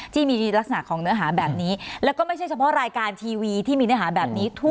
ที่มีลักษณะของเนื้อหาแบบนี้แล้วก็ไม่ใช่เฉพาะรายการทีวีที่มีเนื้อหาแบบนี้